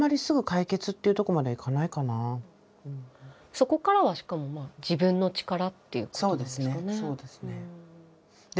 そこからはしかも自分の力っていうことなんですかね？